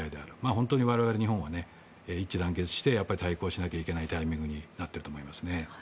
本当に我々日本は一致団結して、対抗しないといけないタイミングになっていると思います。